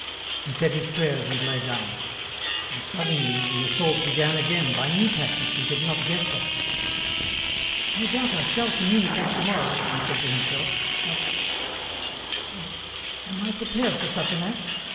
He said his prayers and lay down. And, suddenly, the assault began again by new tactics he had not guessed at. " No doubt I shall communicate to morrow," he said to himself ;'' but ... but ... am I prepared for such an act ?